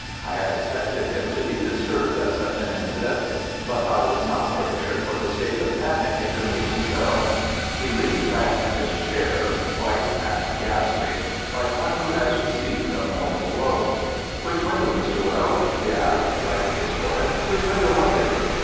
I had expected him to be disturbed at such an incident, but I was not prepared for the state of panic into which he fell. He leaned back in his chair, white and gasping, like one who has received a mortal blow. "Which window, Mr. Weld?" he asked, wiping his forehead. "Which window was it?"